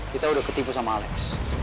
kita udah ketipu sama alex